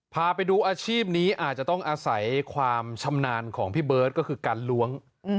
พาไปดูอาชีพนี้อาจจะต้องอาศัยความชำนาญของพี่เบิร์ตก็คือการล้วง